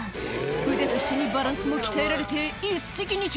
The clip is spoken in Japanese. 「腕と一緒にバランスも鍛えられて一石二鳥」